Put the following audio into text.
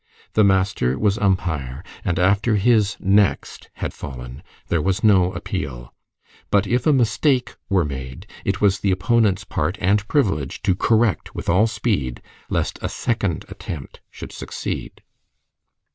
The master was umpire, and after his "Next!" had fallen there was no appeal. But if a mistake were made, it was the opponent's part and privilege to correct with all speed, lest a second attempt should succeed.